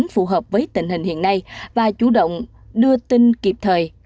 phù hợp với tình hình hiện nay và chủ động đưa tin kịp thời